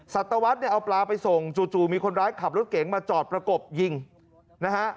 สัตวรรษเนี่ยเอาปลาไปส่งจู่มีคนร้ายขับรถเก๋งมาจอดประกบยิงนะฮะ